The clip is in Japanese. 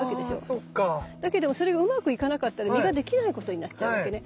だけどもそれがうまくいかなかったら実ができないことになっちゃうわけね。